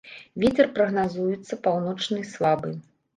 Вецер прагназуецца паўночны слабы.